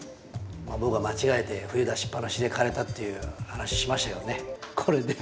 まあ僕は間違えて冬出しっぱなしで枯れたっていう話しましたけどねこれで。